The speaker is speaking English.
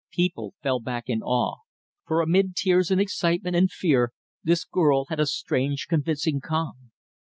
People fell back in awe, for, amid tears and excitement and fear, this girl had a strange convincing calm.